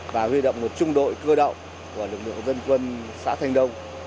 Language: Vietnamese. và huy động một trung đội cơ động của lực lượng dân quân xã thanh đông